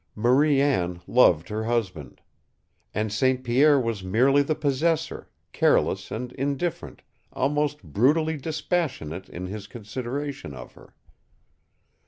Marie Anne loved her husband. And St. Pierre was merely the possessor, careless and indifferent, almost brutally dispassionate in his consideration of her.